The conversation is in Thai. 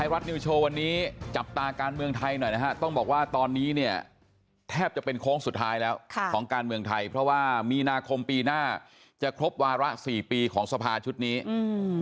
รัฐนิวโชว์วันนี้จับตาการเมืองไทยหน่อยนะฮะต้องบอกว่าตอนนี้เนี่ยแทบจะเป็นโค้งสุดท้ายแล้วค่ะของการเมืองไทยเพราะว่ามีนาคมปีหน้าจะครบวาระสี่ปีของสภาชุดนี้อืม